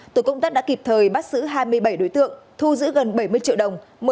tổ công tác đã kịp thời bắt xử hai mươi bảy đối tượng thu giữ gần bảy mươi triệu đồng